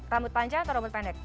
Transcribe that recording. rambut panjang atau robot pendek